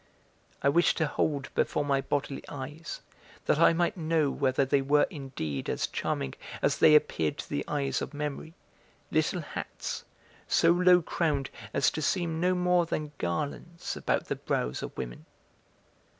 I wished to hold before my bodily eyes, that I might know whether they were indeed as charming as they appeared to the eyes of memory, little hats, so low crowned as to seem no more than garlands about the brows of women.